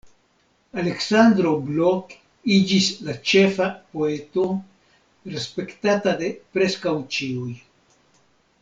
Aleksandro Blok iĝis la ĉefa poeto, respektata de preskaŭ ĉiuj.